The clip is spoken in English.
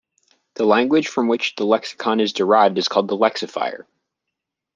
The language from which the lexicon is derived is called the "lexifier".